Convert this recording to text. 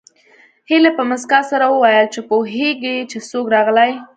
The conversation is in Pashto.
هيلې په مسکا سره وویل پوهېږې چې څوک راغلي